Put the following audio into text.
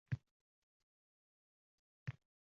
maqsadga va vazirliklikning bevosita burchiga muvofiq bo‘lardi.